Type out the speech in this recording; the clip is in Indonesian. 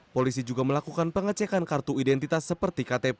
polisi juga melakukan pengecekan kartu identitas seperti ktp